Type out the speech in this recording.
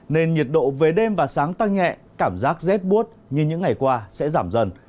nên nhiệt độ về đêm và sáng tăng nhẹ cảm giác rét bút như những ngày qua sẽ giảm dần